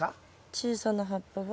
小さな葉っぱは。